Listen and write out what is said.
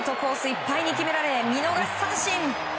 いっぱいに決められ見逃し三振。